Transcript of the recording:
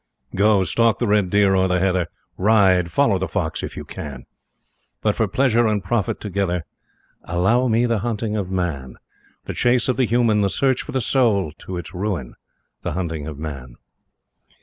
Go, stalk the red deer o'er the heather Ride, follow the fox if you can! But, for pleasure and profit together, Allow me the hunting of Man, The chase of the Human, the search for the Soul To its ruin, the hunting of Man.